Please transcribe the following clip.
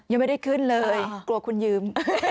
ยังไม่ได้ขึ้นเลยกลัวคุณยืม